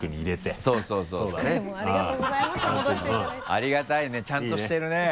ありがたいねちゃんとしてるね。